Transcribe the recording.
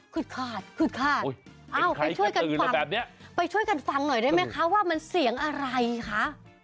ขึดขาดไปช่วยกันฟังหน่อยได้ไหมคะว่ามันเสียงอะไรคะ